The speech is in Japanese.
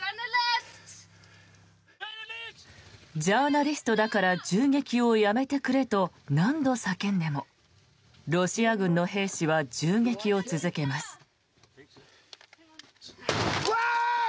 ジャーナリストだから銃撃をやめてくれと何度叫んでもロシア軍の兵士は銃撃を続けます。